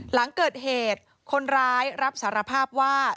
หลังเกิดเหตุคนร้ายรับสารภาพว่า